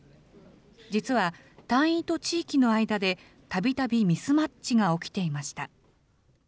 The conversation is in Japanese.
実は、隊員と地域の間で、たびたびミスマッチが起きていました。